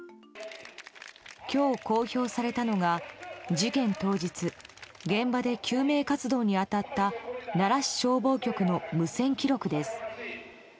今日、公表されたのが事件当日現場で救命活動に当たった奈良市消防局の無線記録です。